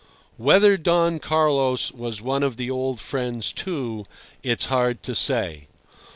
Whether Don Carlos was one of the "old friends," too, it's hard to say.